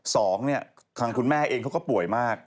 สองเนี่ยทางคุณแม่เองเขาก็ป่วยมาก